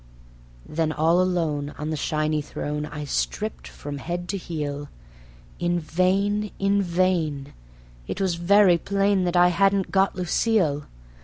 Then all alone on the shiny throne I stripped from head to heel; In vain, in vain; it was very plain that I hadn't got Lucille.